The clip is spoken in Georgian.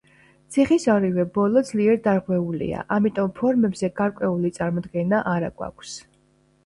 ციხის ორივე ბოლო ძლიერ დარღვეულია, ამიტომ ფორმებზე გარკვეული წარმოდგენა არა გვაქვს.